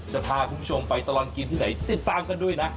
จะพาคุณผู้ชมไปตลอดกินที่ไหนติดตามกันด้วยนะ